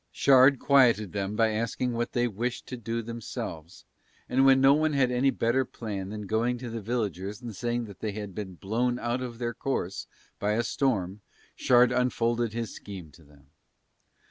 Shard quieted them by asking what they wished to do themselves and when no one had any better plan than going to the villagers and saying that they had been blown out of their course by a storm, Shard unfolded his scheme to them.